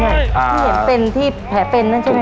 ที่เห็นเป็นที่แผลเป็นนั่นใช่ไหม